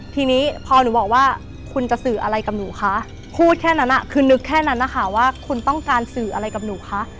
ทีนี้พอหนูบอกว่าคุณจะสื่ออะไรกับหนูคะพูดแค่นั้นคือนึกแค่นั้นนะคะว่าคุณต้องการสื่ออะไรกับหนูคะ